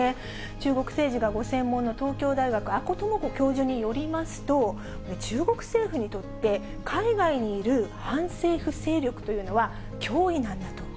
中国政治がご専門の東京大学、阿古智子教授によりますと、中国政府にとって海外にいる反政府勢力というのは、脅威なんだと。